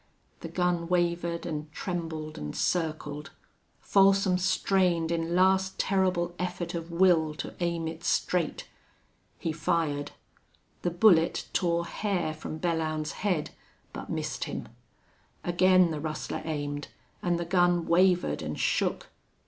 The gun wavered and trembled and circled. Folsom strained in last terrible effort of will to aim it straight. He fired. The bullet tore hair from Belllounds's head, but missed him. Again the rustler aimed, and the gun wavered and shook.